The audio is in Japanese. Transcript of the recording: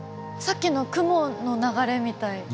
さっきの雲の流れみたい。